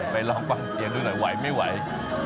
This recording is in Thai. ไปลองบางทีลุยดูหน่อยไหวไม่ไหว